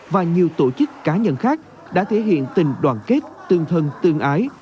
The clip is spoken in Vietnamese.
và nhiều tổ chức cá nhân khác đã thể hiện tình đoàn kết tương thân tương ái